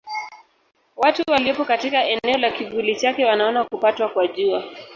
Watu waliopo katika eneo la kivuli chake wanaona kupatwa kwa Jua.